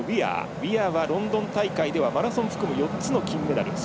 ウィアーはロンドン大会ではマラソンを含む４つの金メダル。